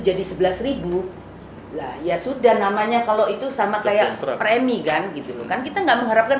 jadi sebelas lah ya sudah namanya kalau itu sama kayak premi gan gitu kan kita enggak mengharapkan